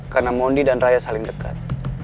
karena mondi dan raya saling dekat